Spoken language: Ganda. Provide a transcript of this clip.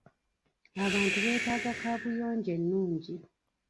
Abantu beetaaga kaabuyonjo ennungi.